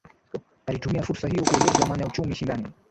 Alitumia fursa hiyo kueleza maana ya uchumi shindani